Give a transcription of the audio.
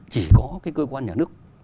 chỉ có cái cơ quan nhà nước